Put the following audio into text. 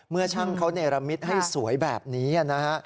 เมื่อช่างเขาเนรมิตให้สวยแบบนี้นะฮะ